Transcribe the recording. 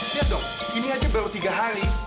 lihat dong ini aja baru tiga hari